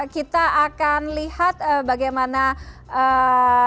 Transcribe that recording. kita akan lihat bagaimana permainan indonesia melakukan